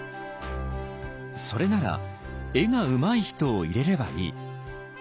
「それなら絵がうまい人を入れればいい」。